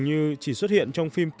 như chỉ xuất hiện trong phim facebook